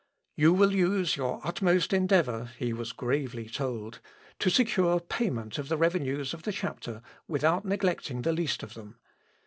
"You will use your utmost endeavour," he was gravely told, "to secure payment of the revenues of the chapter, without neglecting the least of them.